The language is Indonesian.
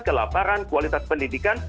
kelaparan kualitas pendidikan